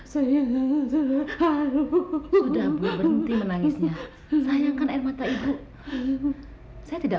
saya sudah berhenti menangisnya sayangkan air mata itu saya tidak